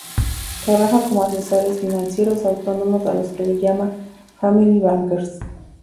Trabaja con asesores financieros autónomos a los que llaman Family Bankers.